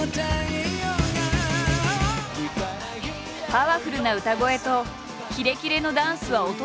パワフルな歌声とキレキレのダンスは衰え知らず。